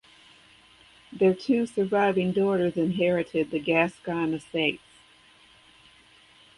Their two surviving daughters inherited the Gascoigne estates.